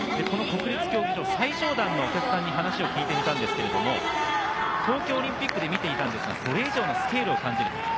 この国立競技場、最上段のお客さんにお話を聞いたんですが、東京オリンピックで見ていたんですが、それ以上のスケールを感じる。